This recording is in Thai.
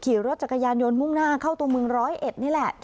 ขี่รถจักรยานยนต์มุ่งหน้าเข้าตัวเมืองร้อยเอ็ดนี่แหละ